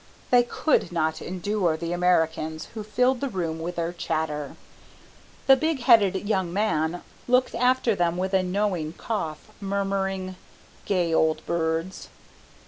They could not endure the Americans, who filled the room with their chatter. The big headed young man looked after them with a knowing cough, murmuring, "Gay old birds!"